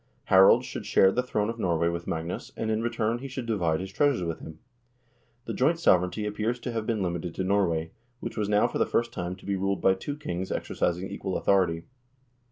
Harald should share the throne of Norway with Mag nus, and in return he should divide his treasures with him. The joint sovereignty appears to have been limited to Norway, which was now for the first time to be ruled by two kings exercising equal authority.